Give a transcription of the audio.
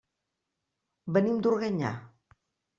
Venim d'Organyà.